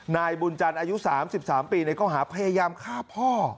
นายบุญจันทร์อายุ๓๓ปีในข้อหาพยายามฆ่าพ่อ